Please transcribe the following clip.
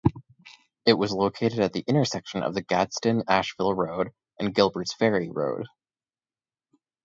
It was located at the intersection of the Gadsden-Ashville Road and Gilbert's Ferry Road.